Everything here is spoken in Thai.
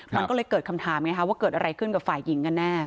มันก็เลยเกิดคำถามไงคะว่าเกิดอะไรขึ้นกับฝ่ายหญิงกันแน่